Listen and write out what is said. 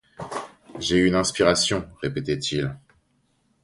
J'ai une inspiration, répétait-il.